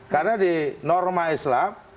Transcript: karena di norma islam